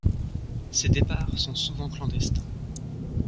Ces départs sont souvent clandestins.